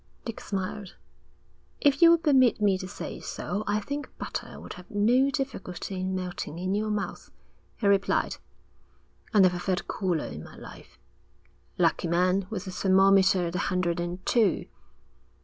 Dick smiled. 'If you will permit me to say so, I think butter would have no difficulty in melting in your mouth,' he replied. 'I never felt cooler in my life.' 'Lucky man, with the thermometer at a hundred and two!'